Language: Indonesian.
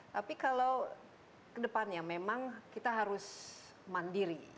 tapi kalau kedepannya memang kita harus mandiri